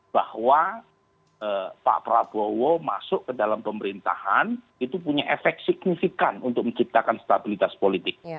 bahwa pak prabowo masuk ke dalam pemerintahan itu punya efek signifikan untuk menciptakan stabilitas politik